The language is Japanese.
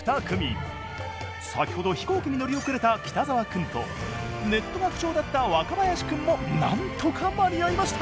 先ほど飛行機に乗り遅れた北澤君とネットが不調だった若林君もなんとか間に合いました。